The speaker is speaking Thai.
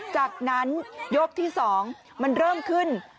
จากนั้นยกที่๒มันเริ่มขึ้น